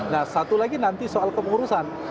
nah satu lagi nanti soal kepengurusan